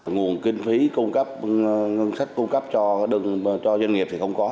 nguồn kinh phí cung cấp ngân sách cung cấp cho doanh nghiệp thì không có